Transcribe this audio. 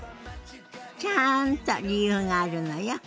ちゃんと理由があるのよ。